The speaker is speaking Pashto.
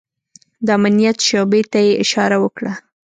د امنيت شعبې ته يې اشاره وکړه.